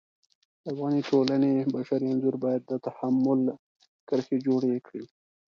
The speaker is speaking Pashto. د افغاني ټولنې بشري انځور باید د تحمل کرښې جوړې کړي.